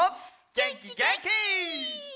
げんきげんき！